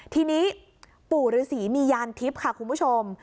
ทีนี้ปู่ฤษีมียานทิพย์ค่ะคุณผู้ชม